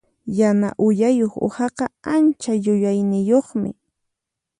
Yana uyayuq uhaqa ancha yuyayniyuqmi.